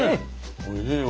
おいしいわ。